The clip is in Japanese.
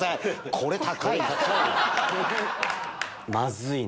「これ高いな」。